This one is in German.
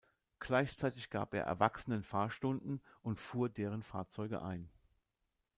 Gleichzeitig gab er Erwachsenen Fahrstunden und fuhr deren Fahrzeuge ein.